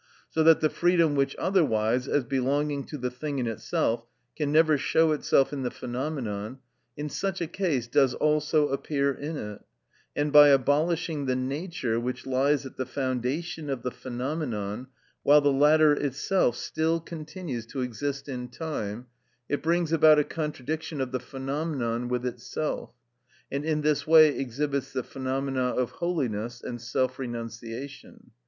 So that the freedom which otherwise, as belonging to the thing in itself, can never show itself in the phenomenon, in such a case does also appear in it, and, by abolishing the nature which lies at the foundation of the phenomenon, while the latter itself still continues to exist in time, it brings about a contradiction of the phenomenon with itself, and in this way exhibits the phenomena of holiness and self renunciation.